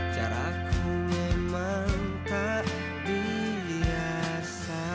cara ku memang tak biasa